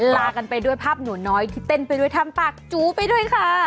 ลากันไปด้วยภาพหนูน้อยที่เต้นไปด้วยทำปากจูไปด้วยค่ะ